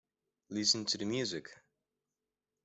Listen to the music...